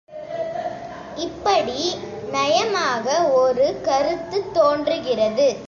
இப்படி நயமாக ஒரு கருத்துத் தோன்றுகிறது.